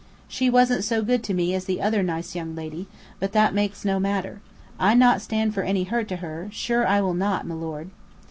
She wasn't so good to me as the other nice young lady, but that makes no matter. I not stand for any hurt to her, sure I will not, milord."